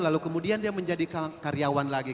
lalu kemudian dia menjadi karyawan lagi